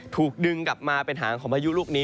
ถูกดึงกลับมาเป็นหางของพายุลูกนี้